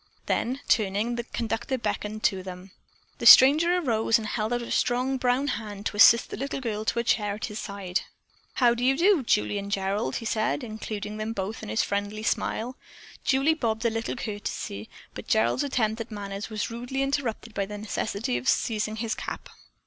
Then, turning, the conductor beckoned to them. The stranger arose and held out a strong brown hand to assist the little girl to a chair at his side. "How do you do, Julie and Gerald?" he said, including them both in his friendly smile. Julie bobbed a little curtsy, but Gerald's attempt at manners was rudely interrupted by the necessity of seizing his cap.